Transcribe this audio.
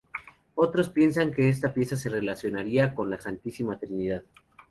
Otros piensan que esta pieza se relacionaría con la "Santísima Trinidad".